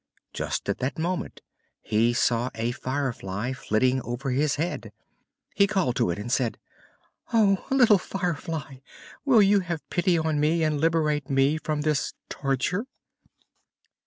Just at that moment he saw a Firefly flitting over his head. He called to it and said: "Oh, little Firefly, will you have pity on me and liberate me from this torture?"